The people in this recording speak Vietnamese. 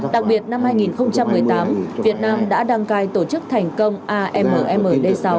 đặc biệt năm hai nghìn một mươi tám việt nam đã đăng cai tổ chức thành công ammd sáu